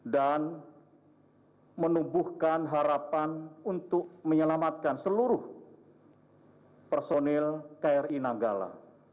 dan menumbuhkan harapan untuk menyelamatkan seluruh personil kri nanggala